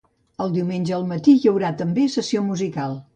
El diumenge al matí hi haurà també sessió musical.